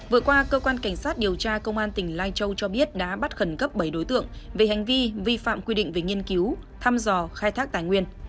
vừa qua cơ quan cảnh sát điều tra công an tỉnh lai châu cho biết đã bắt khẩn cấp bảy đối tượng về hành vi vi phạm quy định về nghiên cứu thăm dò khai thác tài nguyên